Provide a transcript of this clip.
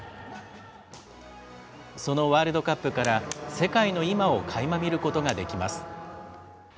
そのワールドカップから世界の今をかいま見ることができます。